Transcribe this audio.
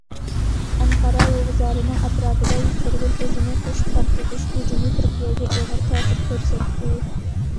ئەنقەرە ۋوگزالىنىڭ ئەتراپىدا يۈز بەرگەن ئۆزىنى قوشۇپ پارتلىتىش ھۇجۇمى تۈركىيەگە ئېغىر تەسىر كۆرسەتتى.